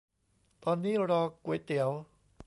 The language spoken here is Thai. ตอนนี้รอก๋วยเตี๋ยว